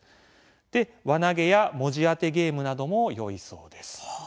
で輪投げや文字当てゲームなどもよいそうです。